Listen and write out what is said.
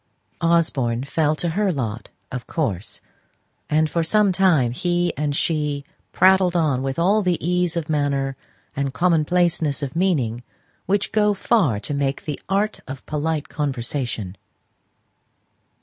Osborne fell to her lot, of course, and for some time he and she prattled on with all the ease of manner and commonplaceness of meaning which go far to make the "art of polite conversation."